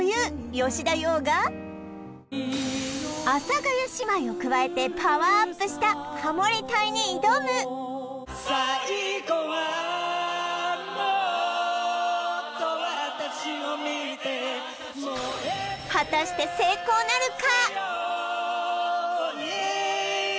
吉田羊が阿佐ヶ谷姉妹を加えてパワーアップしたハモリ隊に挑む果たして成功なるか？